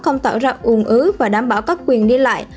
không tạo ra ồn ứ và đảm bảo các quyền đi lại